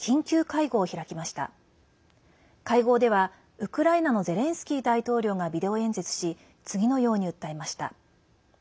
会合ではウクライナのゼレンスキー大統領がビデオ演説し次のように訴えました。